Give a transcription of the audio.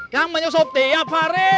yang menyusup tiap hari